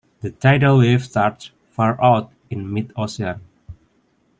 The tidal wave starts far out in mid-ocean.